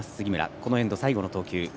このエンド、最後の投球。